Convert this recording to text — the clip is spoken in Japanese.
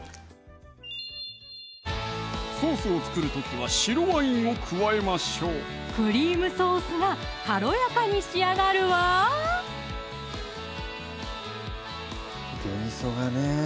ソースを作る時は白ワインを加えましょうクリームソースが軽やかに仕上がるわギョニソがね